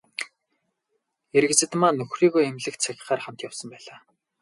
Эрэгзэдмаа нөхрийгөө эмнэлэгт сахихаар хамт явсан байлаа.